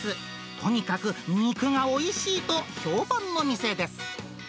とにかく肉がおいしいと評判の店です。